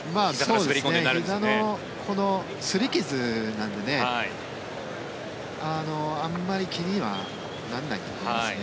ひざのすり傷なのであまり気にはならないですね。